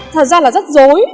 thật ra là rất dối